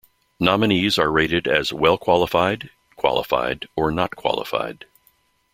Nominees are rated as "well qualified", "qualified" or "not qualified".